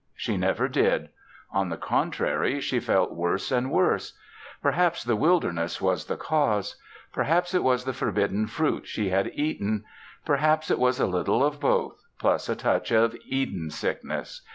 She never did; on the contrary she felt worse and worse. Perhaps the wilderness was the cause. Perhaps it was the forbidden fruit she had eaten. Perhaps it was a little of both, plus a touch of Eden sickness.